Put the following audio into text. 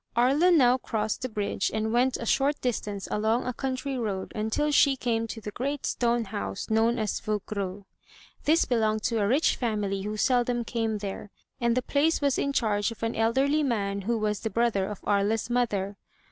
Aria now crossed the bridge and went a short distance along a country road until she came to the great stone house known as Vougereau. This belonged to a rich family who seldom came there, and the place was in charge of an elderly man who was the brother of Aria's mother.